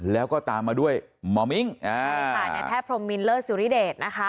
แล้วก็ตามมาด้วยหมอมิ้งอ่าใช่ค่ะในแพทย์พรมมินเลิศสุริเดชนะคะ